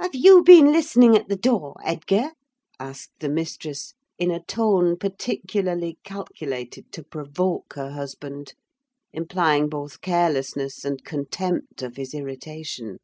"Have you been listening at the door, Edgar?" asked the mistress, in a tone particularly calculated to provoke her husband, implying both carelessness and contempt of his irritation.